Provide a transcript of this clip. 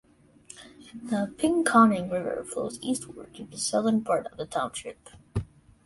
The Pinconning River flows eastward through the southern part of the township.